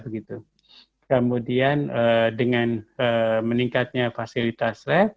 kemudian dengan meningkatnya fasilitas lab